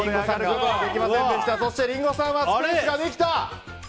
そしてリンゴさんはスペースができた！